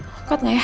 kekut gak ya